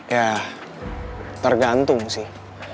ya tergantung sih